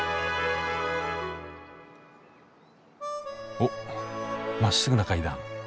おっまっすぐな階段！